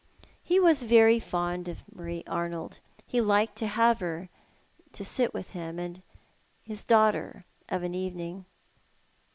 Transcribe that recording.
He was very fond of Marie Arnold. He liked to have her to sit with him and his daughter of an evening.